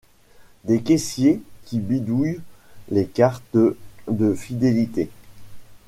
Des caissiers qui bidouillent des cartes de fidélité.